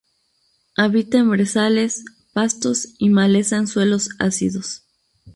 Habita en brezales, pastos y maleza en suelos ácidos.